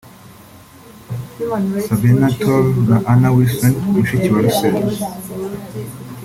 Sabena Toor na Anna Wilson [mushiki wa Russell]